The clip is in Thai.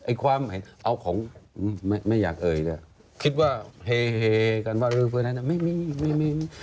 อิความคงลุงอยากเอ๋ยคิดว่าเฮเงินเรือฟื้นเรือไม่ได้